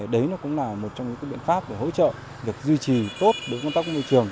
đấy cũng là một trong những biện pháp để hỗ trợ việc duy trì tốt đối với công tác của môi trường